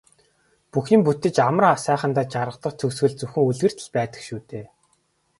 Бүх юм бүтэж амар сайхандаа жаргадаг төгсгөл зөвхөн үлгэрт л байдаг шүү дээ.